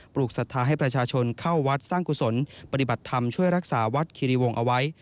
ลูกศรัทธาให้ประชาชนเข้าวัดสร้างกุศลปฏิบัติธรรมช่วยรักษาวัดคิริวงศ์เอาไว้